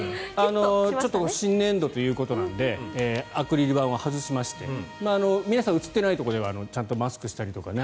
新年度ということなのでアクリル板を外しまして皆さん、映っていないところではちゃんとマスクをしたりとか。